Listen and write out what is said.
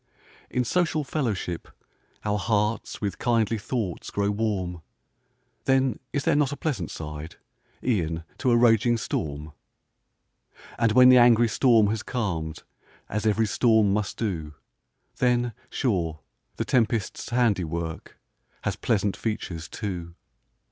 In social fellowship, our hearts With kindly thoughts grow warm; Then is there not a pleasant side, E'en to a raging storm? And when the angry storm has calm'd, As ev'ry storm must do, Then, sure, the tempest's handiwork, Has pleasant features, too.